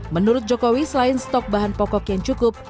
menurut jokowi selain stok bahan pokok yang cukup